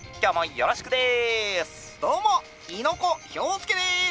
「どうも猪子兵介です！